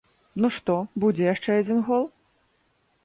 Ну што, будзе яшчэ адзін гол?